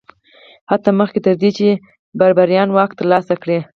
حتی مخکې تر دې چې بربریان واک ترلاسه کړي